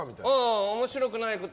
面白くないって。